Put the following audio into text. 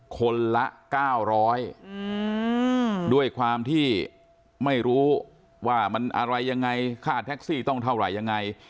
คนละ๙๐๐ด้วยความที่ไม่รู้ว่ามันอะไรยังไงค่าแท็กซี่ต้องเท่าไหร่ยังไง